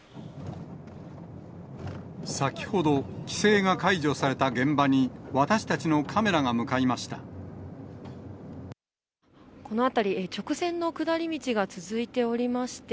先ほど、規制が解除された現場に、私たちのカメラが向かいました。